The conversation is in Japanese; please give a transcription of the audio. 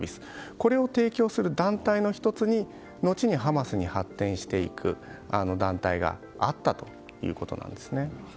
これを提供する団体の１つに後にハマスに発展していく団体があったということなんですね。